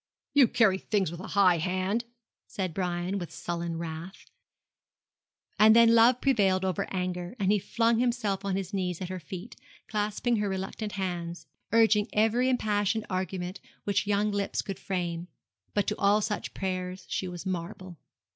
'You carry things with a high hand,' said Brian, with sullen wrath; and then love prevailed over anger, and he flung himself on his knees at her feet, clasping her reluctant hands, urging every impassioned argument which young lips could frame; but to all such prayers she was marble.